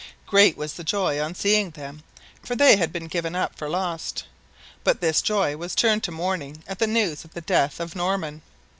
Great was the joy on seeing them, for they had been given up for lost; but this joy was turned to mourning at the news of the death of Norman.